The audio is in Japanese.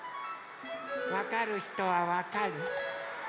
わかるひとはわかる？